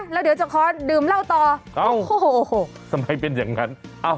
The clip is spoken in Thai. แล้วเดี๋ยวจะขอดื่มเหล้าต่อโอ้โหทำไมเป็นอย่างนั้น